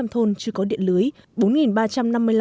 ba bốn trăm linh thôn chưa có đường cứng hóa